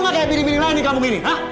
gak kaya bini bini lain yang kamu gini